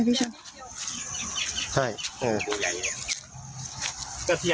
ก็เทียบที่แหละเนี่ย